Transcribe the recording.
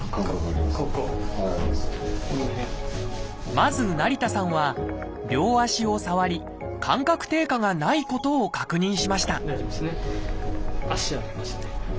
まず成田さんは両足を触り感覚低下がないことを確認しました